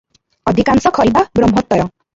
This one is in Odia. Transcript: ଅଧିକାଂଶ ଖରିଦା ବ୍ରହ୍ମୋତ୍ତର ।